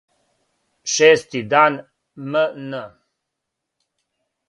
Шести дан мн,